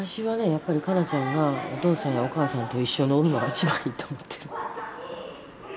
やっぱり香菜ちゃんはお父さんやお母さんと一緒におるのが一番いいと思ってる。